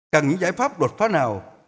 cần những giải pháp đột phá nào